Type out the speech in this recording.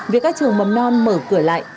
việc các trường mầm non mở cửa lại